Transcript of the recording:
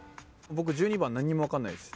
僕１２番何にも分かんないです。